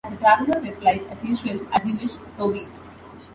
The Traveller replies, as usual: As you wish, so be it.